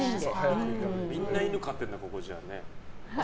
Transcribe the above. みんな犬飼ってるんだな、ここ。